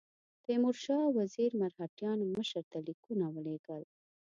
تیمورشاه وزیر مرهټیانو مشر ته لیکونه ولېږل.